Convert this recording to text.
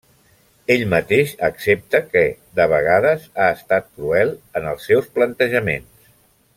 Ell mateix accepta que, de vegades, ha estat cruel en els seus plantejaments.